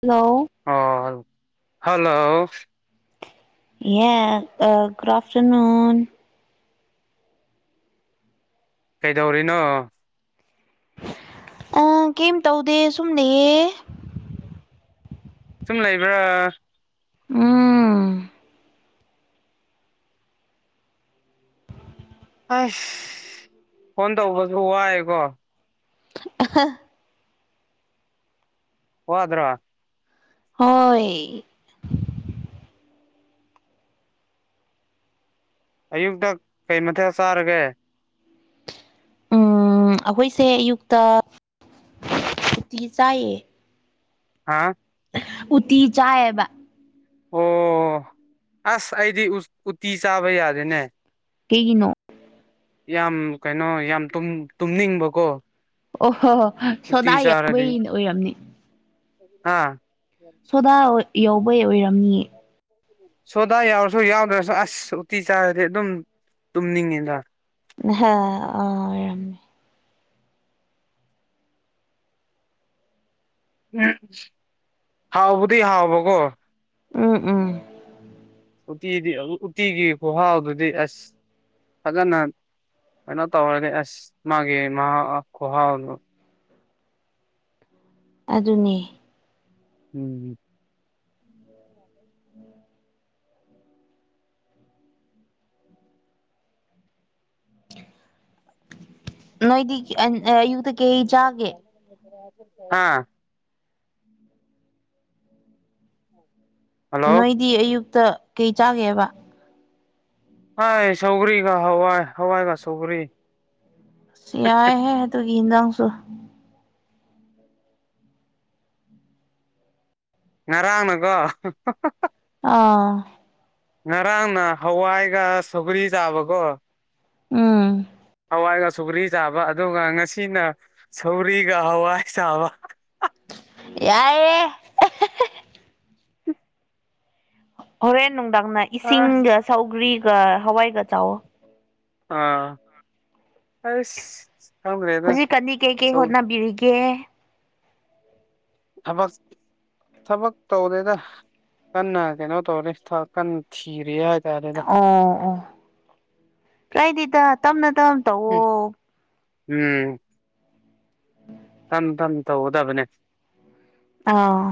Hello ꯑꯣ hello yeah ꯑꯥ‌ good afternoon ꯀꯩꯗꯧꯔꯤꯅꯣ? ꯑꯥ ꯀꯩꯝ ꯇꯧꯗꯦ ꯁꯨꯝ ꯂꯩꯌꯦ꯫ ꯁꯨꯝ ꯂꯩꯕ꯭ꯔꯥ? ꯎꯝ ꯑꯩꯁ ꯐꯣꯟ ꯇꯧꯕꯁꯨ ꯋꯥꯏꯀꯣ꯫ ꯑꯍꯥ ꯋ꯭ꯗꯔꯥ? ꯍꯣꯏ꯫ ꯑꯌꯨꯛꯇ ꯀꯩ ꯃꯊꯦꯜ ꯆꯥꯔꯒꯦ? ꯎꯝ ꯑꯈꯣꯏꯁꯦ ꯑꯌꯨꯛꯇ ꯎꯠꯇꯤ ꯆꯥꯏꯌꯦ꯫ ꯍꯥꯥ? ꯎꯇꯤ ꯆꯥꯏꯑꯦꯕ ꯑꯣ ꯑꯁ ꯑꯩꯗꯤ ꯎꯇꯤ ꯆꯥꯕ ꯌꯥꯗꯦꯅꯦ ꯀꯩꯒꯤꯅꯣ? ꯌꯥꯝ ꯀꯩꯅꯣ ꯌꯥꯝ ꯇꯨꯝꯅꯤꯡꯕꯀꯣ ꯑꯣ ꯍꯣ ꯍꯣ ꯎꯇꯤ ꯁꯣꯗꯥ ꯌꯥꯎꯕꯩ ꯆꯥꯔꯗꯤ ꯑꯣꯏꯔꯝꯅꯤ ꯍꯥ ꯁꯣꯗꯥ ꯌꯥꯎꯕꯩ ꯑꯣꯏꯔꯝꯅꯤꯌꯦ ꯁꯣꯗꯥ ꯌꯥꯎꯔꯁꯨ ꯌꯥꯎꯗ꯭ꯔꯁꯨ ꯑꯁ ꯎꯇꯤ ꯆꯥꯔꯗꯤ ꯑꯗꯨꯝ ꯇꯨꯝꯅꯤꯡꯉꯤꯗ ꯑꯍꯥ ꯑꯥ ꯑꯣꯢꯔꯝꯅꯤ ꯍꯥꯎꯕꯨꯗꯤ ꯍꯥꯎꯕ ꯀꯣ ꯎꯝ ꯎꯝ ꯎꯇꯤꯗꯤ ꯎꯇꯤꯒꯤ ꯈꯨꯍꯥꯎꯗꯨꯗꯤ ꯑꯁ ꯐꯖꯅ ꯀꯩꯅꯣ ꯇꯧꯔꯒꯦ ꯑꯥꯁ ꯃꯥꯒꯤ ꯃꯍꯥꯎ ꯈꯨꯍꯥꯎꯗꯣ ꯑꯥꯗꯨꯅꯦ ꯎꯪ ꯎꯪ ꯅꯣꯏꯗꯤ ꯑꯌꯨꯛꯇ ꯀꯩ ꯆꯥꯒꯦ INAUDIBLE ꯍꯜꯂꯣ ꯅꯣꯏꯗꯤ ꯑꯌꯨꯛꯇ ꯀꯩ ꯆꯥꯒꯦꯕ ꯍꯣꯢ ꯁꯧꯒ꯭ꯔꯤꯒ ꯍꯋꯥꯏ- ꯍꯋꯥꯏꯒ ꯁꯧꯒ꯭ꯔꯤ ꯑꯥꯁ ꯌꯥꯏꯍꯦ ꯑꯗꯨꯒꯤ ꯏꯟꯁꯥꯡꯁꯨ ꯉꯔꯥꯡꯅꯀꯣ ꯑꯥꯑꯥ ꯉꯔꯥꯡꯅ ꯍꯋꯥꯏꯒ ꯁꯧꯒ꯭ꯔꯤ ꯆꯥꯕꯀꯣ ꯎꯝ ꯍꯋꯥꯏꯒ ꯁꯧꯒ꯭ꯔꯤ ꯆꯥꯕ ꯑꯗꯨꯒ ꯉꯁꯤꯅ ꯁꯧꯒ꯭ꯔꯤꯒ ꯍꯋꯥꯏ ꯆꯥꯕ ꯌꯥꯏꯌꯦ ꯑꯦꯍꯦꯍꯦ ꯍꯣꯔꯦꯟ ꯅꯨꯡꯗꯥꯡꯅ ꯑꯁ ꯏꯁꯤꯡꯒ ꯁꯧꯒ꯭ꯔꯤꯒ ꯍꯋꯥꯏꯒ ꯆꯥꯎꯋꯣ ꯑꯥ ꯑꯩꯁ ꯍꯧꯖꯤꯛꯀꯥꯟꯗꯤ ꯀꯩꯀꯩ ꯍꯣꯠꯅꯕꯤꯔꯤꯒꯦ ꯊꯥꯕꯛ ꯊꯕꯛ ꯇꯧꯗꯦꯗ ꯀꯟꯅ ꯀꯩꯅꯣ ꯇꯧꯅꯤ ꯊꯕꯛ ꯀꯟꯅ ꯊꯤꯔꯤ ꯍꯥꯏ ꯑꯣ ꯑꯣ ꯀꯥꯏꯗꯦꯗ ꯇꯞꯅ- ꯇꯞꯅ ꯇꯧꯋꯣ ꯎꯝ ꯇꯞꯅ- ꯇꯞꯅ ꯇꯧꯒꯗꯕꯅꯦ ꯑꯥꯑꯣ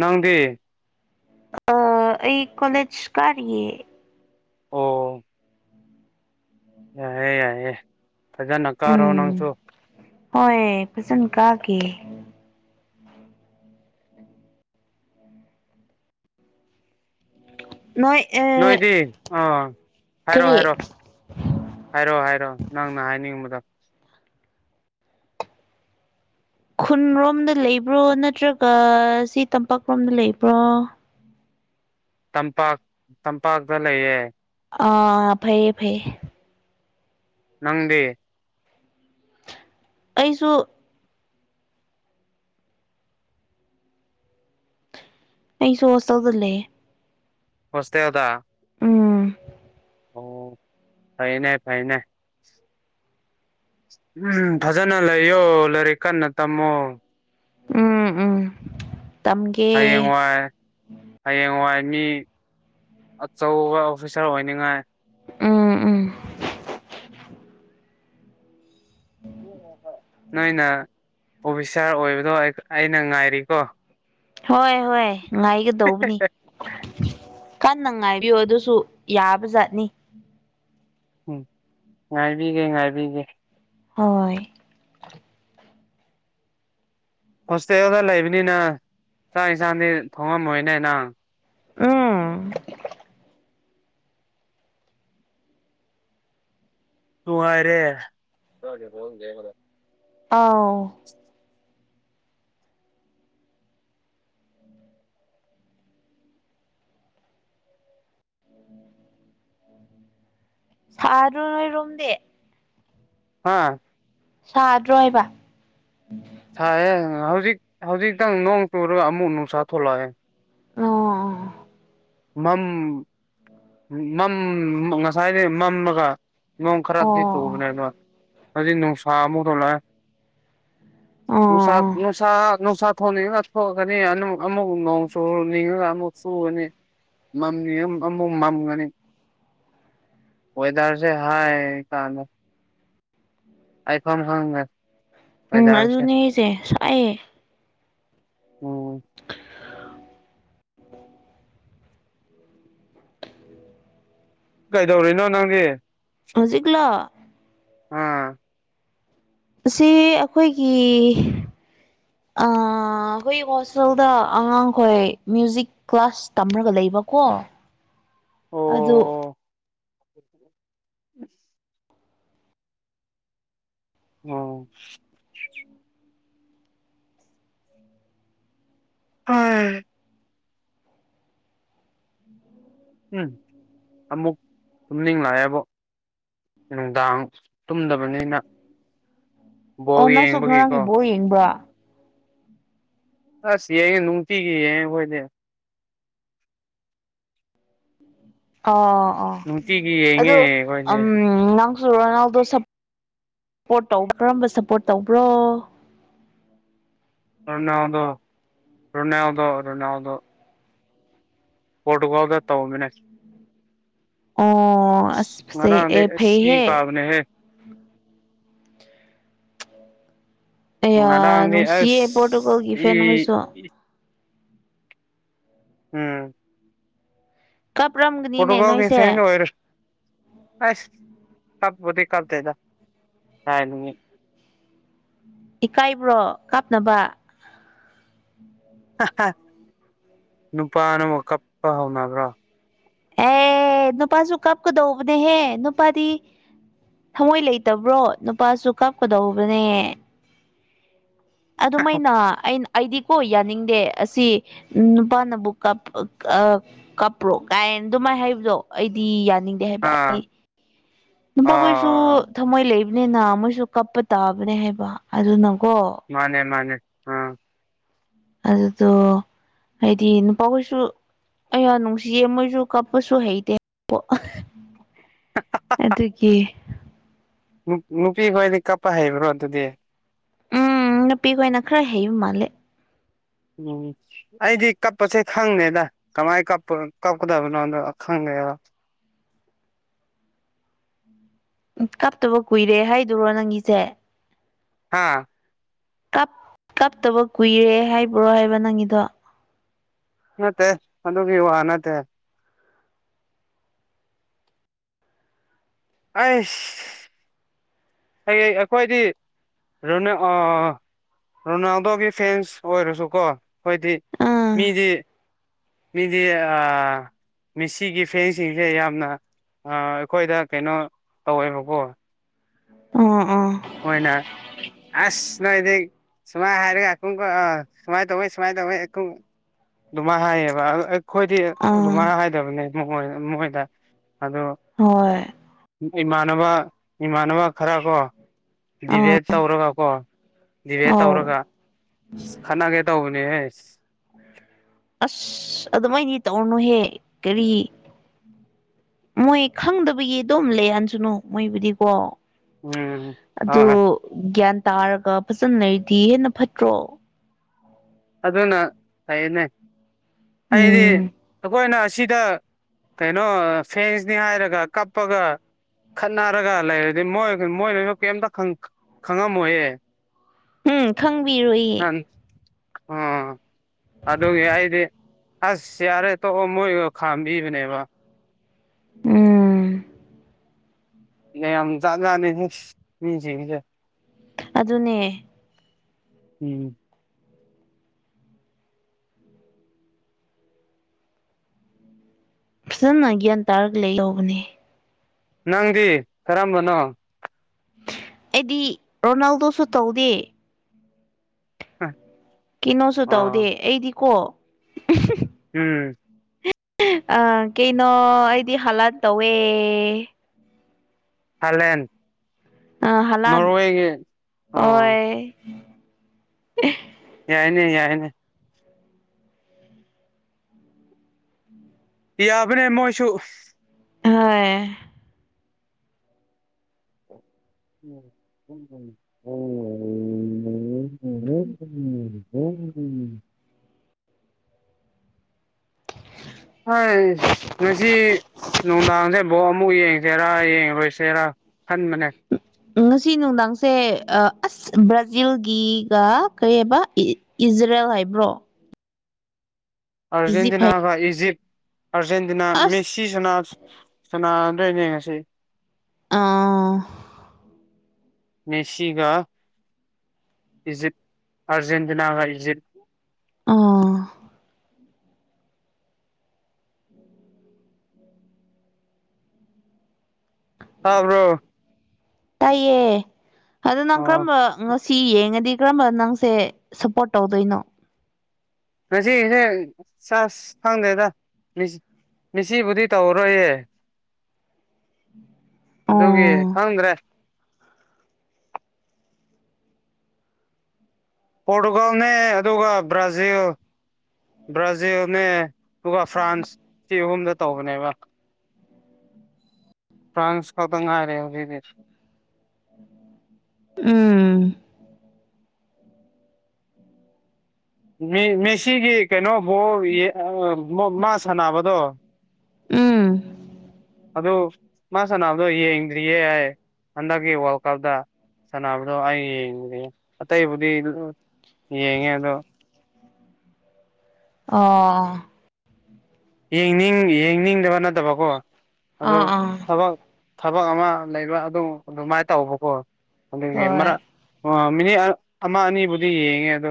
ꯅꯪꯗꯤ ꯑꯥ ꯑꯩ ꯀꯣꯂꯦꯖ ꯀꯥꯔꯤꯌꯦ ꯑꯣꯑꯣ ꯌꯥꯏꯌꯦ ꯌꯥꯏꯌꯦ ꯐꯖꯅ ꯀꯥꯔꯣ ꯅꯪꯁꯨ ꯎꯝ ꯍꯣꯏ ꯐꯖꯅ ꯀꯥꯒꯦ ꯅꯣꯏ ꯑꯦ ꯅꯣꯏꯗꯤ ꯑꯥ ꯍꯥꯏꯔꯣ-ꯍꯥꯏꯔꯣ ꯍꯥꯏꯔꯣ ꯍꯥꯏꯔꯣ ꯅꯪꯅ ꯍꯥꯏꯅꯤꯡꯕꯗꯣ ꯈꯨꯟꯔꯣꯝꯗ ꯂꯩꯕ꯭ꯔꯣ ꯅꯠꯇ꯭ꯔꯒ ꯁꯤ ꯇꯝꯄꯥꯛꯔꯣꯝꯗ ꯂꯩꯕ꯭ꯔꯣ ꯇꯝꯄꯥꯛ-ꯇꯝꯄꯥꯛꯇ ꯂꯩꯌꯦ ꯑꯥ ꯐꯩꯌꯦ- ꯐꯩꯌꯦ ꯅꯪꯗꯤ ꯑꯩꯁꯨ ꯑꯩꯁꯨ ꯍꯣꯁꯇꯦꯜꯗ ꯂꯩꯌꯦ ꯍꯣꯁꯇꯦꯜꯗ ꯎꯝ ꯑꯣ ꯐꯩꯌꯦꯅꯦ ꯐꯩꯌꯦꯅꯦ ꯎꯝ ꯐꯖꯅ ꯂꯩꯌꯣ ꯂꯥꯏꯔꯤꯛ ꯀꯟꯅ ꯇꯝꯃꯣ ꯎꯪ ꯎꯪ ꯍꯌꯦꯡ ꯋꯥꯏ ꯍꯌꯦꯡ ꯋꯥꯏ ꯃꯤ ꯑꯆꯧꯕ ꯑꯣꯐꯤꯁꯥꯔ ꯑꯣꯏꯅꯤꯡꯉꯥꯏ ꯎꯪꯎꯪ ꯅꯣꯏꯅ ꯑꯣꯐꯤꯁꯥꯔ ꯑꯣꯏꯕꯗꯣ ꯑꯩ ꯑꯩꯅ ꯉꯥꯏꯔꯤꯀꯣ ꯍꯣꯏ ꯍꯣꯏ ꯉꯥꯏꯒꯗꯧꯕꯅꯤ ꯀꯟꯅ ꯉꯥꯏꯕꯤꯌꯨ ꯑꯗꯨꯁꯨ ꯌꯥꯕꯖꯥꯠꯅꯤ ꯎꯝ ꯉꯥꯏꯕꯤꯒꯦ ꯉꯥꯏꯕꯤꯒꯦ ꯍꯣꯏ ꯍꯣꯁꯇꯦꯜꯗ ꯂꯩꯕꯅꯤꯅ ꯆꯥꯛ ꯌꯦꯟꯁꯥꯡꯗꯤ ꯊꯣꯡꯉꯝꯃꯣꯏꯅꯦ ꯅꯪ ꯎꯝ ꯅꯨꯡꯉꯥꯏꯔꯦ ꯑꯥꯎ ꯎꯝ ꯁꯥꯗ꯭ꯔꯣ ꯅꯣꯏꯔꯣꯝꯗꯤ ꯍꯥꯥ ꯁꯥꯗ꯭ꯔꯣ ꯍꯥꯏꯕ ꯁꯥꯏꯌꯦ ꯍꯧꯖꯤꯛ ꯍꯧꯖꯤꯛꯇꯪ ꯅꯣꯡ ꯆꯨꯔꯒ ꯑꯃꯨꯛ ꯅꯨꯡꯁꯥ ꯊꯣꯛꯂꯛꯑꯦ ꯑꯣ ꯑꯣ ꯝꯝ ꯉꯁꯥꯏꯗꯤ ꯃꯝꯃꯒ ꯅꯣꯡ ꯈꯔꯗꯤ ꯑꯣ ꯆꯨꯕꯅꯦꯕ ꯍꯧꯖꯤꯛ ꯅꯨꯡꯁꯥꯥ ꯑꯃꯨꯛ ꯊꯣꯛꯂꯛꯑꯦ ꯅꯨꯡꯁꯥ ꯑꯣ ꯅꯨꯡꯁꯥ ꯅꯨꯡꯁꯥ ꯊꯣꯛꯅꯤꯡꯉ ꯊꯣꯛꯀꯅꯤ ꯑꯃꯨꯛ ꯅꯣꯡ ꯆꯨꯅꯤꯡꯉꯒ ꯑꯃꯨꯛ ꯆꯨꯒꯅꯤ ꯃꯝꯅꯤꯡ ꯑꯃꯨꯛ ꯃꯝꯒꯅꯤ ꯋꯦꯗꯔꯁꯦ ꯍꯥꯏ ꯀꯥꯟ [unintelligible] ꯎꯝ ꯋꯦꯗꯔꯁꯦ ꯑꯗꯨꯅꯦ ꯑꯩꯁꯦ ꯁꯥꯏꯌꯦ ꯎꯝ ꯀꯩꯗꯧꯔꯤꯅꯣ ꯅꯪꯗꯤ ꯍꯧꯖꯤꯛꯂꯣ ꯑꯥ ꯁꯤ ꯑꯩꯈꯣꯏꯒꯤ ꯑꯥ ꯑꯥ ꯑꯩꯈꯣꯏ ꯍꯣꯁꯇꯦꯜꯗ ꯑꯉꯥꯡꯈꯣꯏ ꯃ꯭ꯌꯨꯖꯤꯛ ꯀ꯭ꯂꯥꯁ ꯇꯝꯔꯒ ꯂꯩꯕꯀꯣ ꯑꯗꯨ ꯎꯝ ꯎꯝ ꯍꯣꯏ ꯎꯝ ꯑꯃꯨꯛ ꯇꯨꯝꯅꯤꯡ ꯂꯥꯛꯑꯦꯕꯣ ꯅꯨꯡꯗꯥꯡ ꯇꯨꯝꯗꯕꯅꯤꯅ ꯕꯣꯜ ꯑꯣ ꯅꯪꯁꯨ ꯉꯔꯥꯡꯒꯤ ꯌꯦꯡꯕꯒꯤꯀꯣ ꯕꯣꯜ ꯌꯦꯡꯕ꯭ꯔꯥ ꯑꯁ ꯌꯦꯡꯉꯦ ꯅꯨꯡꯤꯒꯤ ꯌꯦꯡꯉꯦ ꯑꯣꯈꯣꯏꯗꯤ ꯑꯣ ꯑꯣ ꯅꯨꯡꯇꯤꯒꯤ ꯌꯦꯡꯉꯦ ꯑꯗꯨ ꯑꯩꯈꯣꯏꯗꯤ ꯎꯝ ꯅꯪꯁꯨ ꯔꯣꯅꯥꯜꯗꯣ ꯁꯞ ꯁꯄꯣꯔꯠ ꯇꯧꯕ ꯀꯔꯝꯕ ꯁꯄꯣꯔꯠ ꯇꯧꯕ꯭ꯔꯣ ꯔꯣꯅꯥꯜꯗꯣ ꯔꯣꯅꯥꯜꯗ ꯔꯣꯅꯥꯜꯗꯣ ꯄꯣꯔꯇꯨꯒꯜꯗ ꯇꯧꯗꯣꯏꯅꯦ ꯑꯣ ꯑꯁ ꯐꯖꯩ ꯉꯔꯥꯡꯗꯤ ꯑꯦ ꯑꯁ ꯏ ꯐꯩꯍꯦ ꯀꯥꯕꯅꯦꯍꯦ ꯑꯦꯌꯥ ꯉꯔꯥꯡꯗꯤ ꯅꯨꯡꯁꯤꯌꯦ ꯑꯁ ꯄꯣꯔꯇꯨꯒꯜꯒꯤ ꯏ ꯐꯦꯟ ꯍꯣꯏꯁꯨ ꯎꯝ ꯀꯥꯞꯔꯝꯒꯅꯤꯅꯦ ꯄꯣꯇꯨꯒꯜꯒꯤ ꯅꯣꯏꯁꯦ ꯐꯦꯟꯁ ꯑꯣꯏꯔꯁꯨ ꯑꯁ ꯀꯞꯄꯗꯤ ꯀꯞꯇꯦꯗ ꯍꯥꯏꯕꯅꯤ ꯏꯀꯥꯏꯕ꯭ꯔꯣ ꯀꯥꯞꯅꯕ ꯍꯥꯍꯥ ꯅꯨꯄꯥꯅꯕꯣ ꯀꯞꯄ ꯍꯧꯅꯕ꯭ꯔꯣ ꯑꯦ ꯅꯨꯄꯥꯖꯨ ꯀꯞ ꯀꯗꯧꯕꯅꯦꯍꯦ ꯅꯨꯄꯥꯗꯤ ꯊꯃꯣꯏ ꯂꯩꯇꯕ꯭ꯔꯣ ꯅꯨꯄꯥꯖꯨ ꯀꯥꯞꯀꯗꯧꯕꯅꯦ ꯑꯗꯨꯃꯥꯏꯅ ꯑꯩꯅ ꯑꯩꯗꯤꯀꯣ ꯌꯥꯅꯤꯡꯗꯦ ꯑꯁꯤ ꯅꯨꯄꯥꯅꯕꯨ ꯀꯞ ꯑꯥ ꯀꯥꯞ꯭ꯔꯣ ꯀꯥꯏ ꯑꯗꯨꯃꯥꯏ ꯍꯥꯏꯕꯗꯣ ꯑꯩꯗꯤ ꯌꯥ ꯅꯤꯡꯗꯦ ꯍꯥꯏꯕ ꯑꯥ ꯑꯩ ꯅꯨꯄꯥꯈꯣꯏꯁꯨ ꯑꯥ ꯊꯃꯣꯏ ꯂꯩ ꯅꯦꯅ ꯃꯣꯏꯁꯨ ꯀꯞꯄ ꯇꯥꯕꯅꯦ ꯍꯥꯏꯕ ꯑꯗꯨꯅꯀꯣ ꯃꯥꯅꯦ ꯃꯥꯅꯦ ꯑꯥ ꯑꯗꯨꯗꯣ ꯍꯥꯏꯗꯤ ꯅꯨꯄꯥ ꯀꯣꯏꯁꯨ ꯑꯩꯌꯥ ꯅꯨꯡꯁꯤꯌꯦ ꯃꯣꯏꯁꯨ ꯀꯥꯞꯄꯁꯨ ꯍꯩꯇꯦ ꯑꯗꯨꯒꯤ ꯅꯨꯄꯤ ꯈꯣꯏꯗꯤ ꯀꯞꯄ ꯍꯩꯕ꯭ꯔꯣ ꯑꯗꯨꯗꯤ ꯎꯝ ꯅꯨꯄꯤꯈꯣꯏꯅ ꯈꯔ ꯍꯩꯕ ꯃꯥꯜꯂꯦ ꯎꯝ ꯑꯩꯗꯤ ꯀꯞꯄꯁꯦ ꯈꯪꯗꯦꯗ ꯀꯃꯥꯏ ꯀꯄ ꯀꯞꯀꯗꯕꯅꯣꯗ ꯈꯪ ꯗꯦꯕ [inaudible] ꯀꯞꯇꯕ ꯀꯨꯏꯔꯦ ꯍꯥꯏꯗꯨꯔꯣ ꯅꯪꯒꯤꯁꯦ ꯍꯥꯥ ꯀꯞ ꯀꯞꯇꯕ ꯀꯨꯏꯔꯦ ꯍꯥꯏꯕ꯭ꯔꯣ ꯍꯥꯏꯕ ꯅꯪꯒꯤꯗꯣ ꯅꯠꯇꯦ ꯑꯗꯨꯒꯤ ꯋꯥ ꯅꯠꯇꯦ ꯑꯩꯁ ꯍꯌꯦꯡ ꯑꯩꯈꯣꯏꯗꯤ ꯔꯅꯤ ꯑꯥ ꯔꯣꯅꯥꯜꯗꯣꯒꯤ ꯐꯦꯟꯁ ꯑꯣꯏꯔꯁꯨꯀꯣ ꯈꯣꯏꯗꯤ ꯑꯥ ꯃꯤꯗꯤ ꯃꯤꯗꯤ ꯑꯥ ꯃꯤꯁꯤꯒꯤ ꯐꯦꯟꯁꯤꯡꯁꯦ ꯌꯥꯝꯅ ꯑ ꯑꯩꯈꯣꯏꯗ ꯀꯩꯅꯣ ꯇꯧꯋꯦꯕꯀꯣ ꯑ ꯃꯣꯏꯅ ꯑꯁ ꯅꯣꯏꯗꯤ ꯁꯨꯃꯥꯏ ꯍꯥꯏꯔꯒꯈꯨꯒ ꯑ ꯁꯨꯃꯥꯏ ꯇꯧꯌꯦ ꯁꯨꯃꯥꯏ ꯇꯧꯌꯦ ꯀꯨ ꯑꯗꯨꯃꯥꯏꯅ ꯍꯥꯏꯌꯦꯕ ꯑꯩꯈꯣꯏꯗꯤ ꯑꯥ ꯑꯗꯨꯃꯥꯏꯅ ꯍꯥꯏꯗꯕꯅꯦ ꯃꯣꯏ ꯃꯣꯏꯗ ꯑꯗꯣ ꯍꯣꯏ ꯏꯃꯥꯟꯅꯕ ꯏꯃꯥꯟꯅꯕ ꯈꯔ ꯀꯣ ꯑꯥ ꯗꯤꯚꯦꯠ ꯇꯧꯔꯒ ꯀꯣ ꯗꯤꯚꯦꯠ ꯑꯧ ꯇꯧꯔꯒ ꯈꯠꯅꯒꯦ ꯇꯧꯕꯅꯦꯍꯦ ꯑꯁ ꯑꯗꯨꯃꯥꯏꯗꯤ ꯇꯧꯔꯣꯅꯨꯍꯦ ꯀꯔꯤ ꯃꯣꯏ ꯈꯪꯗꯕꯒꯤ ꯑꯗꯨꯝ ꯂꯩꯍꯟꯁꯅꯨ ꯃꯣꯏꯕꯨꯗꯤꯀꯣ ꯎꯝ ꯑꯗꯨ ꯍꯣꯏ ꯒ꯭ꯌꯥꯟ ꯇꯥꯔꯒ ꯐꯖꯅꯩꯗꯤ ꯍꯦꯟꯅ ꯐꯠꯇ꯭ꯔꯣ ꯑꯗꯨꯅ ꯐꯩꯅꯦ ꯑꯩꯗꯤ ꯎꯝ ꯑꯩꯈꯣꯏꯅ ꯁꯤꯗ ꯀꯩꯅꯣ ꯐꯦꯟꯁꯅꯤ ꯍꯥꯏꯔꯒ ꯀꯞꯄꯒ ꯈꯠꯅꯔꯒ ꯂꯩꯔꯗꯤ ꯃꯣꯏ ꯃꯣꯏꯅꯁꯨ ꯀꯩꯝꯇ ꯈꯪꯉꯝꯃꯣꯏꯌꯦ ꯎꯝ ꯈꯪꯕꯤꯔꯣꯏꯌꯦ ꯅꯍꯥꯟ ꯑꯥ [inaudible] ꯑꯗꯨꯒꯤ ꯑꯩꯗꯤ ꯑꯁ ꯌꯥꯔꯦ ꯇꯣꯛꯑꯣ ꯃꯣꯏꯕꯨ ꯈꯥꯝꯕꯤꯕꯅꯦꯕ ꯎꯝ ꯅꯩ ꯌꯥꯝ ꯖꯥꯠ ꯖꯥꯠꯅꯦꯍꯦ ꯃꯤꯖꯤꯡꯖꯦ ꯑꯗꯨꯅꯦ ꯎꯝ ꯐꯖꯅ ꯒ꯭ꯌꯥꯟ ꯇꯥꯔꯒ ꯂꯩꯗꯧꯕꯅꯦ ꯅꯪꯗꯤ ꯀꯔꯝꯕꯅꯣ ꯑꯩꯗꯤ ꯔꯣꯅꯥꯜꯗꯣꯁꯨ ꯇꯧꯗꯦ [inaudible] ꯀꯤꯅꯣꯁꯨ ꯇꯧꯗꯦ ꯑꯣ ꯑꯩꯗꯤꯀꯣ [unintelligible] ꯎꯝ ꯑꯥ ꯀꯩꯅꯣ ꯑꯩꯗꯤ ꯍꯥꯂꯥꯠ ꯇꯧꯋꯦ ꯍꯂꯦꯟ ꯑꯥ ꯍꯂꯥꯟ ꯑꯣ ꯑꯣꯏ ꯌꯥꯏꯅꯦ ꯌꯥꯏꯅꯦ ꯌꯥꯕꯅꯦ ꯃꯣꯏꯁꯨ ꯍꯣꯏ [inaudible] [inaudible] ꯍꯥꯏꯁ ꯉꯁꯤ ꯅꯨꯡꯗꯥꯡꯁꯦ ꯕꯣꯝ ꯑꯃꯨꯛ ꯌꯦꯡꯁꯦꯔꯥ ꯌꯦꯡꯉꯔꯣꯏꯁꯦꯔ ꯈꯟꯕꯅꯦ ꯉꯁꯤ ꯅꯨꯡꯗꯥꯡꯁꯦ ꯑ ꯑꯁ ꯕ꯭ꯔꯥꯖꯤꯜꯒꯤ ꯒ ꯀꯔꯤꯍꯕ ꯏ ꯏꯖ ꯖꯔꯦꯜ ꯍꯥꯏꯕ꯭ꯔꯣ ꯏꯖꯤꯞ ꯍꯥꯏ ꯑꯔꯖꯦꯟꯇꯤꯅꯥꯒ ꯏꯖꯤꯞ ꯑꯥꯔꯖꯦꯟꯇꯤꯅꯥ ꯑꯁ ꯃꯦꯁꯤ ꯁꯅꯥ ꯁꯅꯥꯗ꯭ꯔꯦꯅꯦ ꯉꯁꯤ ꯑꯥ ꯃꯦꯁꯤꯒꯥ ꯏꯖꯤꯞ ꯑꯔꯖꯦꯟꯇꯤꯅꯥꯒ ꯏꯖꯤꯞ ꯑꯣ ꯇꯥꯕ꯭ꯔꯣ ꯇꯥꯏꯌꯦ ꯑꯗꯣ ꯅꯪ ꯑꯣ ꯀꯔꯝꯕ ꯉ ꯁꯤ ꯌꯦꯡꯉꯗꯤ ꯀꯔꯝꯕ ꯅꯪꯁꯦ ꯁꯞꯄꯣꯔꯠ ꯇꯧꯗꯣꯏꯅꯣ ꯉꯁꯤꯁꯦ ꯆꯥꯁ ꯈꯪꯗꯦꯗ ꯃꯤꯁ ꯃꯤꯁꯤꯕꯨꯗꯤ ꯇꯧꯔꯣꯏꯌꯦ ꯑꯗꯨꯒꯤ ꯑꯣ ꯈꯪꯗ꯭ꯔꯦ ꯄꯣꯔꯇꯨꯒꯜꯅꯦ ꯑꯗꯨꯒ ꯕ꯭ꯔꯥꯖꯤꯜ ꯕ꯭ꯔꯥꯖꯤꯜꯅꯦ ꯑꯗꯨꯒ ꯐ꯭ꯔꯥꯟꯁ ꯁꯤ ꯑꯍꯨꯝꯗ ꯇꯧꯕꯅꯦꯕ ꯐ꯭ꯔꯥꯟꯁ ꯈꯛꯇ ꯉꯥꯏꯔꯦ ꯍꯧꯖꯤꯛꯗꯤ ꯎꯝ ꯃꯦ ꯃꯦꯁꯤꯒꯤ ꯀꯩꯅꯣ ꯕꯣꯜ ꯌꯦ ꯑꯥ ꯃꯣ ꯃꯥ ꯁꯥꯟꯅꯕꯗꯣ ꯎꯝ ꯑꯗꯨ ꯃꯥ ꯁꯅꯥꯕꯗꯣ ꯌꯦꯡꯗ꯭ꯔꯤꯌꯦ ꯑ ꯍꯟꯗꯛꯀꯤ ꯋꯥꯔꯜ ꯀꯞꯇ ꯁꯥꯟꯅꯕꯗꯣ ꯑꯩ ꯌꯦꯡꯗ꯭ꯔꯤꯌꯦ ꯑꯇꯩꯕꯨꯗꯤ ꯌꯦꯡꯉꯦ ꯑꯗꯣ ꯑꯣ ꯌꯦꯡꯅꯤꯡ ꯌꯦꯡꯅꯤꯡꯗꯕ ꯅꯠꯇꯕꯀꯣ ꯑꯥ ꯑꯗꯨ ꯑꯥ ꯊꯕꯛ ꯊꯕꯛ ꯑꯃ ꯂꯩꯕ ꯑꯗꯨ ꯑꯗꯨꯃꯥꯏ ꯇꯧꯕꯀꯣ ꯑꯗꯨꯒꯤ ꯍꯣꯏ ꯃꯔꯛ ꯑꯥ ꯃꯤꯅꯤꯠ ꯑ ꯑꯃ ꯑꯅꯤꯕꯨꯗꯤ ꯌꯦꯡꯉꯦ ꯑꯗꯣ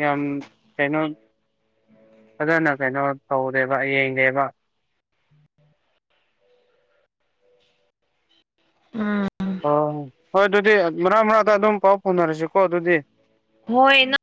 ꯌꯥꯝ ꯀꯩꯅꯣ ꯐꯖꯅ ꯀꯩꯅꯣ ꯇꯧꯗꯦꯕ ꯌꯦꯡꯗꯦꯕ ꯎꯝ ꯑꯣ ꯍꯣꯏ ꯑꯗꯨꯗꯤ ꯃꯔꯛ ꯃꯔꯛꯗ ꯑꯗꯨꯝ ꯄꯥꯎ ꯐꯥꯎꯅꯔꯁꯤꯀꯣ ꯑꯗꯨꯗꯤ ꯍꯣꯏ ꯅꯪ